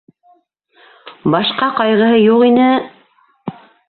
Башҡа ҡайғыһы юҡ ине...